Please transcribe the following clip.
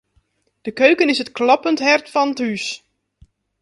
De keuken is it klopjend hert fan it hús.